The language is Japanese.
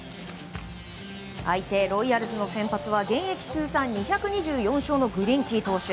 相手ロイヤルズの先発は現役通算２２４勝のグリンキー投手。